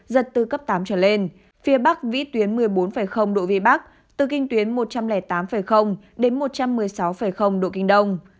giật từ cấp tám trở lên phía bắc vĩ tuyến một mươi bốn độ vĩ bắc từ kinh tuyến một trăm linh tám đến một trăm một mươi sáu độ kinh đông